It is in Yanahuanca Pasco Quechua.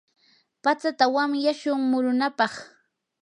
patsata wanyashun murunapaq.